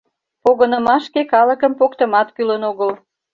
Погынымашке калыкым поктымат кӱлын огыл.